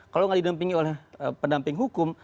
kalau nggak didampingi oleh pendamping hukum